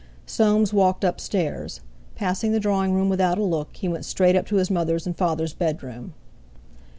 Soames walked upstairs. Passing the drawing room without a look, he went straight up to his mother's and father's bedroom.